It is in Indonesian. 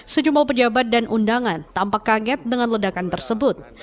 sejumlah pejabat dan undangan tampak kaget dengan ledakan tersebut